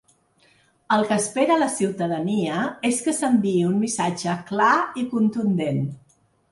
El que espera la ciutadania és que s’enviï un missatge clar i contundent.